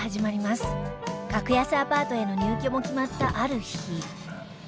格安アパートへの入居も決まったある日